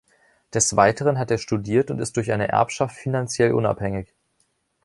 Des Weiteren hat er studiert und ist durch eine Erbschaft finanziell unabhängig.